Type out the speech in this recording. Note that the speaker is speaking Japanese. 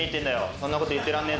そんな事言ってらんねえだろ。